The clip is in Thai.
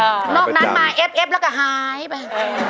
ไอ้เก๊บแล้วก็หายไป